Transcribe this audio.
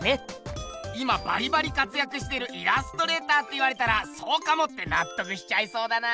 今バリバリかつやくしてるイラストレーターって言われたら「そうかも」ってなっとくしちゃいそうだな。